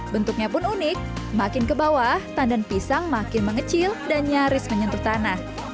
bentuknya pun unik makin ke bawah tandan pisang makin mengecil dan nyaris menyentuh tanah